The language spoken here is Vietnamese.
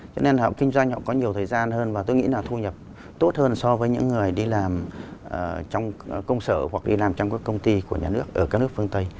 cho nên họ kinh doanh họ có nhiều thời gian hơn và tôi nghĩ là thu nhập tốt hơn so với những người đi làm trong công sở hoặc đi làm trong các công ty của nhà nước ở các nước phương tây